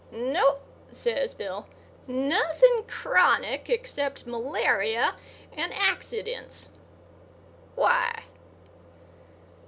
"No," says Bill, "nothing chronic except malaria and accidents. Why?"